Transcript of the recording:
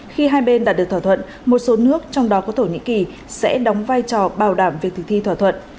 khi hai bên đạt được thỏa thuận một số nước trong đó có thổ nhĩ kỳ sẽ đóng vai trò bảo đảm việc thực thi thỏa thuận